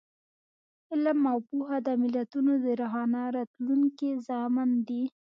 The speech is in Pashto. علم او پوهه د ملتونو د روښانه راتلونکي ضامن دی.